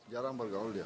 jarang bergaul dia